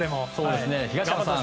東山さん